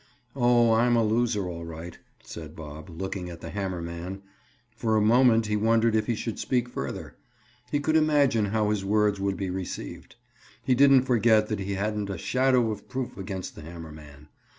"Oh, I'm a loser all right," said Bob, looking at the hammer man. For a moment he wondered if he should speak further. He could imagine how his words would be received. He didn't forget that he hadn't a shadow of proof against the hammer man.